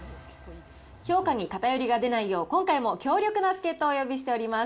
評価に偏りが出ないよう、今回も強力な助っ人をお呼びしております。